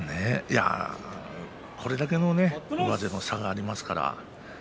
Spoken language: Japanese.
これだけの上背の差がありますからね。